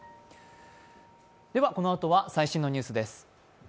このあとは最新のニュースです。